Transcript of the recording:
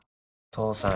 父さん